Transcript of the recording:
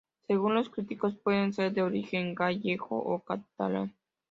Según los críticos puede ser de origen gallego o catalán.